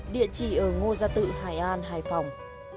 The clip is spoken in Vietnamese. địa chỉ ở ngô gia tự hải an hải phòng